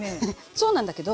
そうなんだけど。